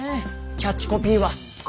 キャッチコピーは。